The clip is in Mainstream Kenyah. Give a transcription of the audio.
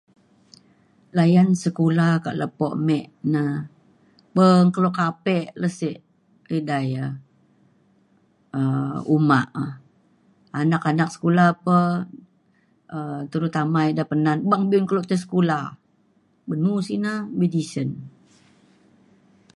layan sekula kak lepo me na beng kelo kapek le sek edai ya uma e. anak anak sekula pe um terutama ida Penan beng be’un tai sekula uban nu si na be tisen